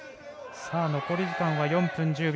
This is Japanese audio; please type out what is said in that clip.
残り時間は４分１０秒。